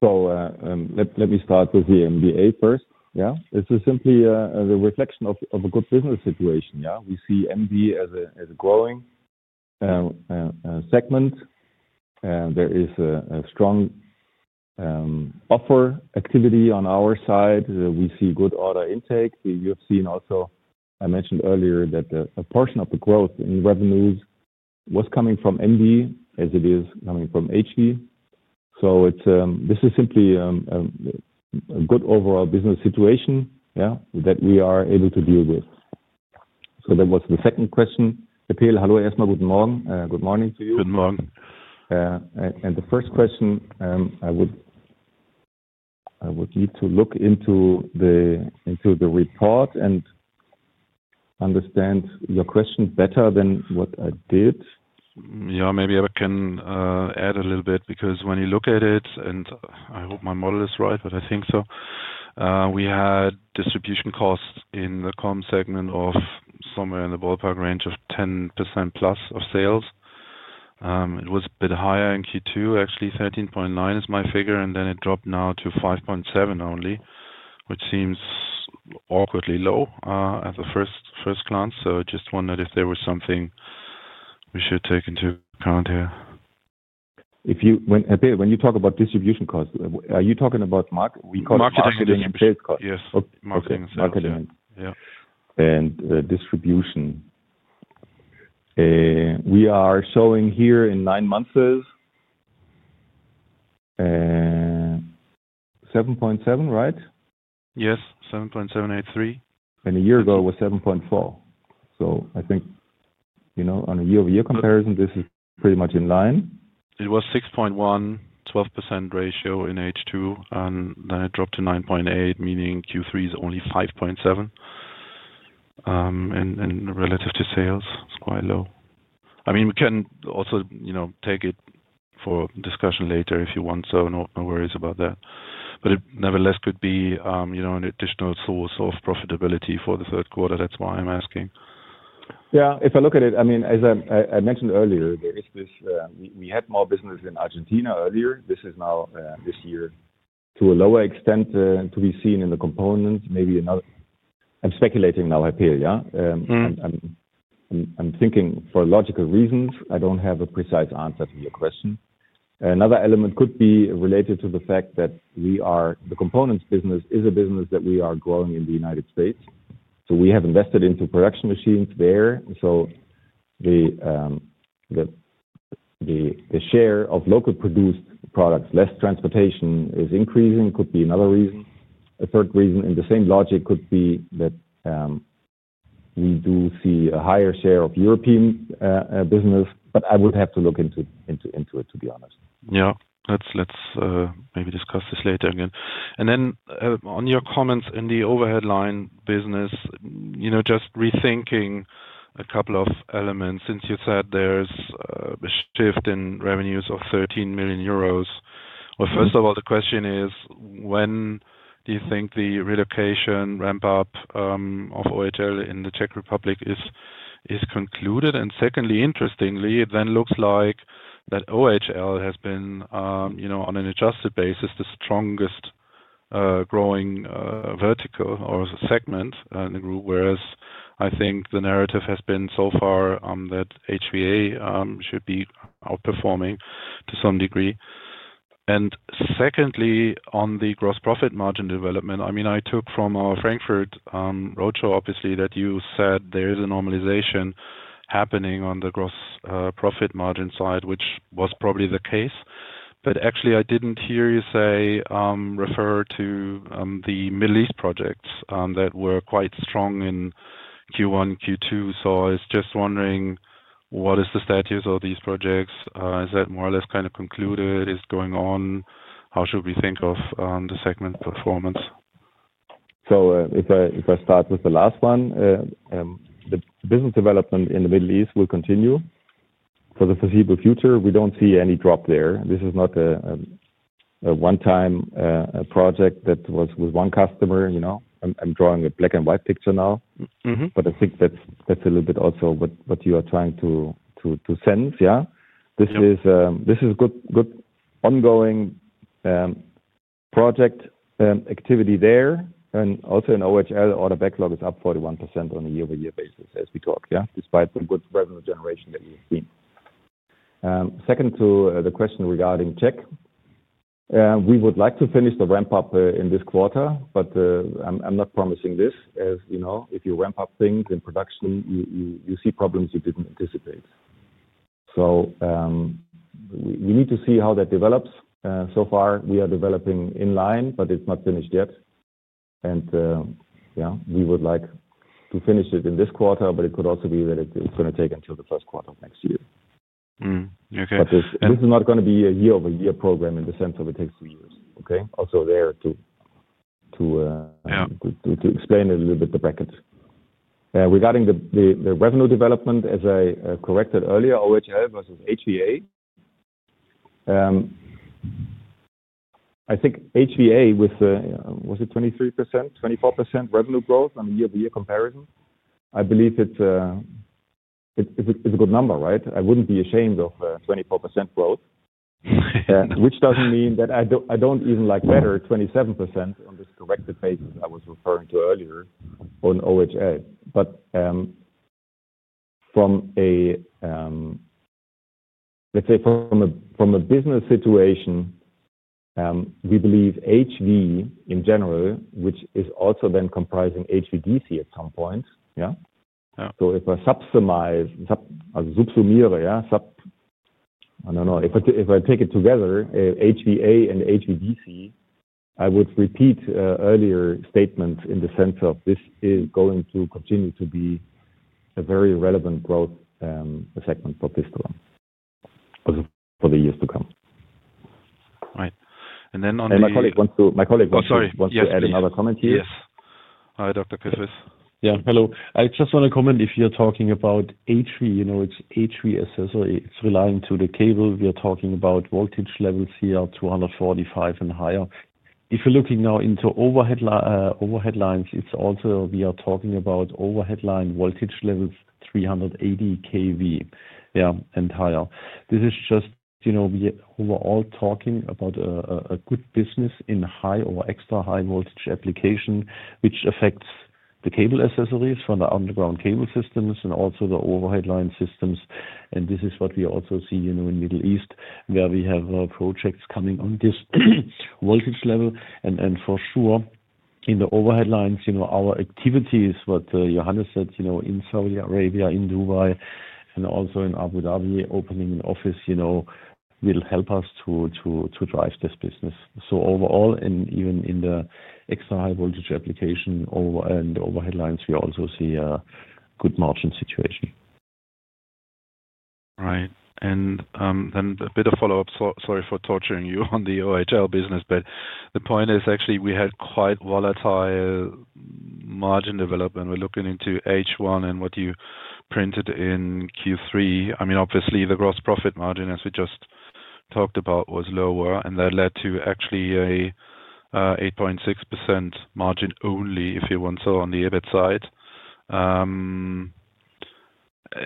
Let me start with the MV first. This is simply the reflection of a good business situation. We see MV as a growing segment. There is a strong offer activity on our side. We see good order intake. You have seen also, I mentioned earlier, that a portion of the growth in revenues was coming from MV as it is coming from HV. This is simply a good overall business situation that we are able to deal with. That was the second question. Happy Hallo, erst mal guten Morgen. Good morning to you. Good morning. The first question, I would need to look into the report and understand your question better than what I did. Yeah, maybe I can add a little bit because when you look at it, and I hope my model is right, but I think so, we had distribution costs in the com segment of somewhere in the ballpark range of 10% plus of sales. It was a bit higher in Q2, actually. 13.9% is my figure, and then it dropped now to 5.7/% only, which seems awkwardly low at the first glance. I just wondered if there was something we should take into account here. When you talk about distribution costs, are you talking about marketing and sales costs? Yes. Marketing. Marketing and distribution. We are showing here in nine months is 7.7 right? Yes, 7.783. A year ago it was 7.4. I think on a year-over-year comparison, this is pretty much in line. It was 6.1, 12% ratio in H2, and then it dropped to 9.8, meaning Q3 is only 5.7. Relative to sales, it's quite low. I mean, we can also take it for discussion later if you want so. No worries about that. It nevertheless could be an additional source of profitability for the third quarter. That's why I'm asking. Yeah. If I look at it, I mean, as I mentioned earlier, we had more business in Argentina earlier. This is now this year. To a lower extent to be seen in the components. Maybe another, I'm speculating now, Happil. I'm thinking for logical reasons. I don't have a precise answer to your question. Another element could be related to the fact that the components business is a business that we are growing in the United States. We have invested into production machines there. The share of local produced products, less transportation, is increasing, could be another reason. A third reason in the same logic could be that we do see a higher share of European business, but I would have to look into it, to be honest. Yeah. Let's maybe discuss this later again. On your comments in the overhead line business, just rethinking a couple of elements. Since you said there is a shift in revenues of 13 million euros, first of all, the question is, when do you think the relocation ramp-up of OHL in the Czech Republic is concluded? Secondly, interestingly, it then looks like that OHL has been, on an adjusted basis, the strongest growing vertical or segment in the group, whereas I think the narrative has been so far that HVA should be outperforming to some degree. Secondly, on the gross profit margin development, I mean, I took from our Frankfurt roadshow, obviously, that you said there is a normalization happening on the gross profit margin side, which was probably the case. Actually, I didn't hear you refer to the Middle East projects that were quite strong in Q1, Q2. I was just wondering, what is the status of these projects? Is that more or less kind of concluded? Is it going on? How should we think of the segment performance? If I start with the last one, the business development in the Middle East will continue. For the foreseeable future, we do not see any drop there. This is not a one-time project that was with one customer. I am drawing a black-and-white picture now. I think that is a little bit also what you are trying to sense. This is a good ongoing project activity there. Also in OHL, order backlog is up 41% on a year-over-year basis as we talk, despite the good revenue generation that we have seen. Second to the question regarding Czech, we would like to finish the ramp-up in this quarter, but I am not promising this. As you know, if you ramp up things in production, you see problems you did not anticipate. We need to see how that develops. So far, we are developing in line, but it is not finished yet. We would like to finish it in this quarter, but it could also be that it's going to take until the first quarter of next year. This is not going to be a year-over-year program in the sense of it takes two years. Also, to explain a little bit the bracket. Regarding the revenue development, as I corrected earlier, OHL versus HVA. I think HVA with, was it 23%, 24% revenue growth on a year-over-year comparison? I believe it's a good number, right? I wouldn't be ashamed of 24% growth, which doesn't mean that I don't even like better 27% on this corrected basis I was referring to earlier on OHL. From a business situation, we believe HV in general, which is also then comprising HVDC at some point. If I subsumiere, I don't know. If I take it together, HVA and HVDC, I would repeat earlier statements in the sense of this is going to continue to be a very relevant growth segment for PFISTERER for the years to come. Right. And then on the. My colleague wants to. Oh, sorry. Wants to add another comment here. Yes. Hi, Dr. Kurfiss. Yeah. Hello. I just want to comment if you're talking about HV, it's HVSS, so it's relying to the cable. We are talking about voltage levels here at 245 and higher. If you're looking now into overhead lines, it's also we are talking about overhead line voltage levels 380 kV and higher. This is just we are all talking about a good business in high or extra high voltage application, which affects the cable accessories for the underground cable systems and also the overhead line systems. This is what we also see in the Middle East, where we have projects coming on this voltage level. For sure, in the overhead lines, our activities, what Johannes said, in Saudi Arabia, in Dubai, and also in Abu Dhabi opening an office will help us to drive this business. Overall, and even in the extra high voltage application and overhead lines, we also see a good margin situation. Right. And then a bit of follow-up. Sorry for torturing you on the OHL business, but the point is actually we had quite volatile margin development. We're looking into H1 and what you printed in Q3. I mean, obviously, the gross profit margin, as we just talked about, was lower, and that led to actually an 8.6% margin only, if you want so, on the EBIT side.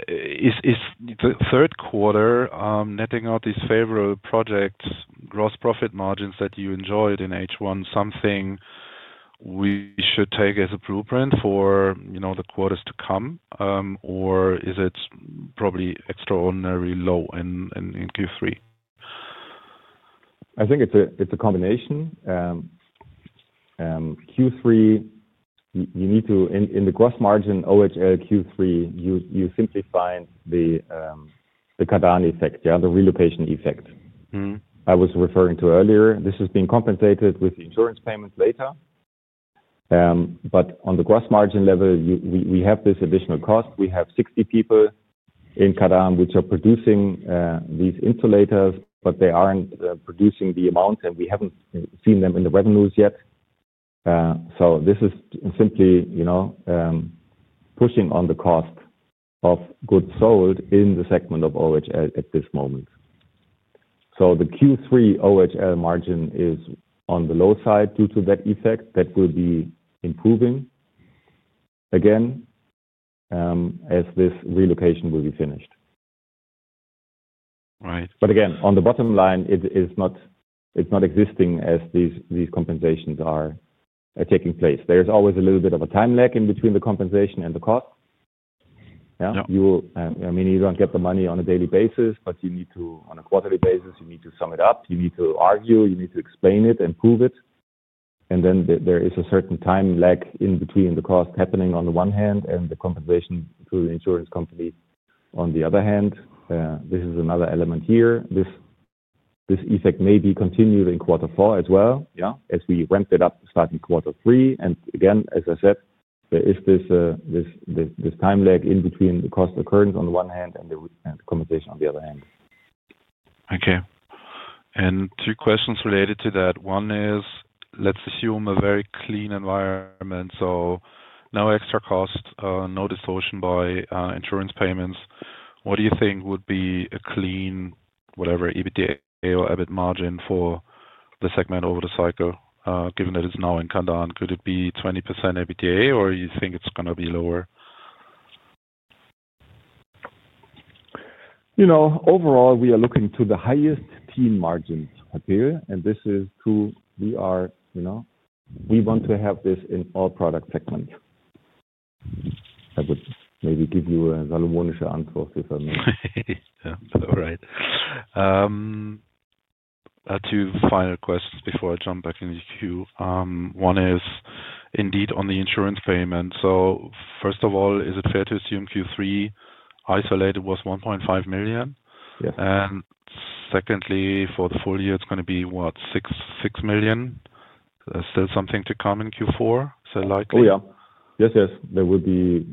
Is the third quarter netting out these favorable projects, gross profit margins that you enjoyed in H1 something we should take as a blueprint for the quarters to come, or is it probably extraordinarily low in Q3? I think it's a combination. Q3, you need to in the gross margin OHL Q3, you simply find the Kadan effect, the relocation effect. I was referring to earlier. This has been compensated with insurance payments later. On the gross margin level, we have this additional cost. We have 60 people in Kadan which are producing these insulators, but they aren't producing the amount, and we haven't seen them in the revenues yet. This is simply pushing on the cost of goods sold in the segment of OHL at this moment. The Q3 OHL margin is on the low side due to that effect that will be improving again as this relocation will be finished. Again, on the bottom line, it's not existing as these compensations are taking place. There is always a little bit of a time lag in between the compensation and the cost. I mean, you don't get the money on a daily basis, but on a quarterly basis, you need to sum it up. You need to argue. You need to explain it and prove it. There is a certain time lag in between the cost happening on the one hand and the compensation to the insurance company on the other hand. This is another element here. This effect may be continued in quarter four as well as we ramped it up starting quarter three. Again, as I said, there is this time lag in between the cost occurrence on the one hand and the compensation on the other hand. Okay. Two questions related to that. One is, let's assume a very clean environment. No extra cost, no distortion by insurance payments. What do you think would be a clean, whatever, EBITDA or EBIT margin for the segment over the cycle, given that it's now in Kadan? Could it be 20% EBITDA, or do you think it's going to be lower? Overall, we are looking to the highest teen margins, happily. And this is who we are. We want to have this in all product segments. I would maybe give you a Salomonischer answer if I may. All right. Two final questions before I jump back in the queue. One is, indeed, on the insurance payments. So first of all, is it fair to assume Q3 isolated was 1.5 million? Yes. Secondly, for the full year, it's going to be what, 6 million? There's still something to come in Q4, so likely? Oh, yeah. Yes, yes. There will be,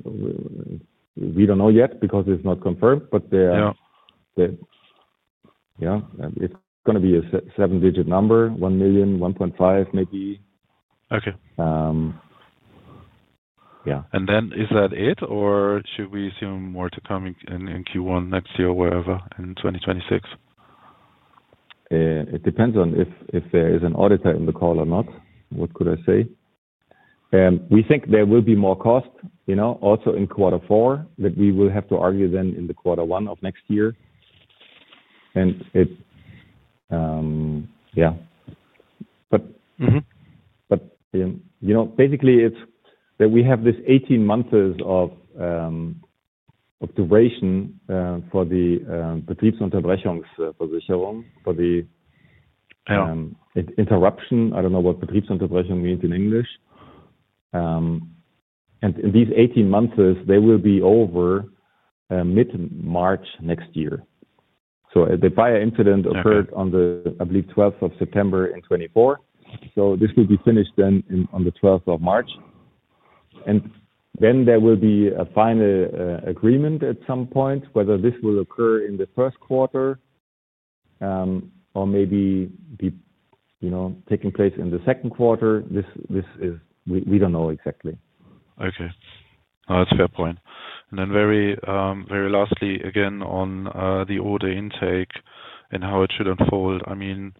we don't know yet because it's not confirmed, but yeah. It's going to be a seven-digit number, 1,000,000, 1,500,000 maybe. Yeah. Is that it, or should we assume more to come in Q1 next year or wherever in 2026? It depends on if there is an auditor in the call or not. What could I say? We think there will be more cost also in quarter four that we will have to argue then in the quarter one of next year. Yeah. Basically, it's that we have this 18 months of duration for the Betriebsunterbrechungsversicherung, for the interruption. I don't know what Betriebsunterbrechung means in English. In these 18 months, they will be over mid-March next year. The fire incident occurred on the, I believe, 12th of September in 2024. This will be finished then on the 12th of March. There will be a final agreement at some point, whether this will occur in the first quarter or maybe be taking place in the second quarter. We don't know exactly. Okay. That's a fair point. Then very lastly, again, on the order intake and how it should unfold. I mean,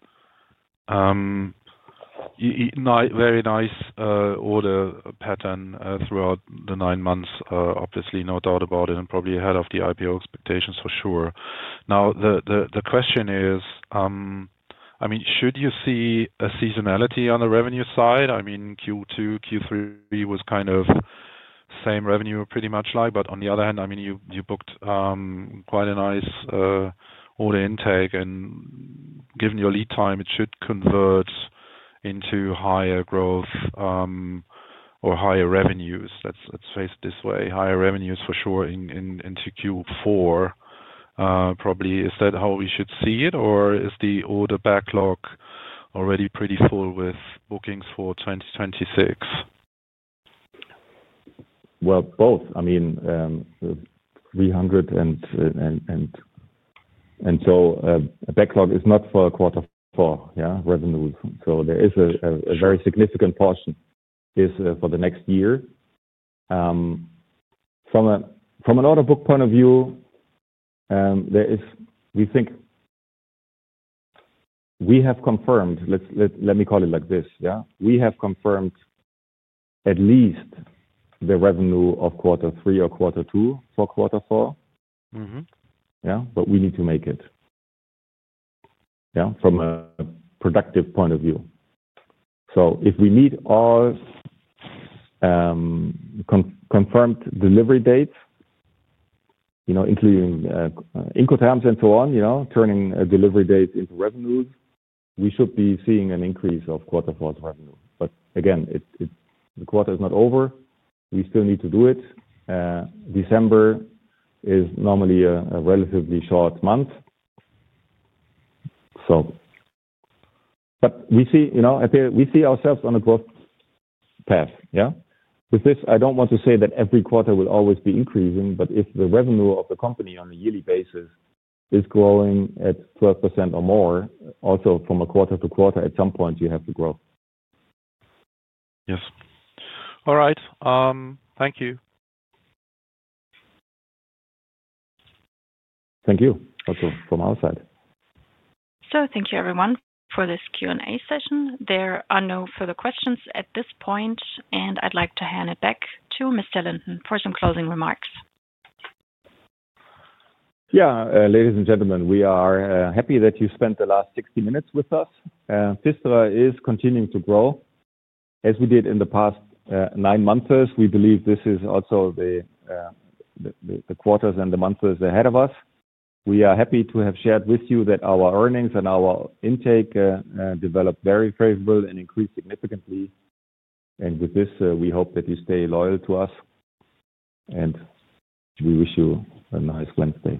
very nice order pattern throughout the nine months. Obviously, no doubt about it and probably ahead of the IPO expectations, for sure. Now, the question is, I mean, should you see a seasonality on the revenue side? I mean, Q2, Q3 was kind of same revenue pretty much like. On the other hand, I mean, you booked quite a nice order intake. Given your lead time, it should convert into higher growth or higher revenues. Let's phrase it this way. Higher revenues, for sure, into Q4. Probably, is that how we should see it, or is the order backlog already pretty full with bookings for 2026? Both. I mean, 300 and so a backlog is not for quarter four revenues. There is a very significant portion for the next year. From an order book point of view, we think we have confirmed, let me call it like this, yeah? We have confirmed at least the revenue of quarter three or quarter two for quarter four, yeah? We need to make it from a productive point of view. If we meet all confirmed delivery dates, including income terms and so on, turning delivery dates into revenues, we should be seeing an increase of quarter four's revenue. Again, the quarter is not over. We still need to do it. December is normally a relatively short month. We see ourselves on a growth path. With this, I don't want to say that every quarter will always be increasing, but if the revenue of the company on a yearly basis is growing at 12% or more, also from quarter-to-quarter, at some point, you have to grow. Yes. All right. Thank you. Thank you from our side. Thank you, everyone, for this Q&A session. There are no further questions at this point, and I'd like to hand it back to Mr. Linden for some closing remarks. Yeah. Ladies and gentlemen, we are happy that you spent the last 60 minutes with us. PFISTERER is continuing to grow. As we did in the past nine months, we believe this is also the quarters and the months ahead of us. We are happy to have shared with you that our earnings and our intake developed very favorably and increased significantly. We hope that you stay loyal to us. We wish you a nice Wednesday.